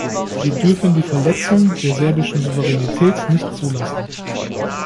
Wir dürfen die Verletzung der serbischen Souveränität nicht zulassen.